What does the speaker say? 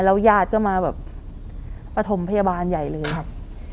แล้วยาดก็มาปฐมพยาบาลใหญ่เลยครับ